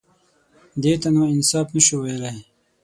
_دې ته نو انصاف نه شو ويلای.